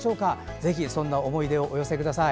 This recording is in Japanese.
ぜひそんな思い出をお寄せください。